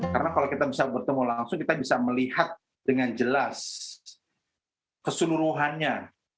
karena kalau kita bisa bertemu langsung kita bisa melihat dengan jelas keseluruhannya